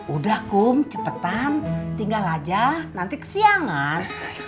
udah kum cepetan tinggal aja nanti kesiangan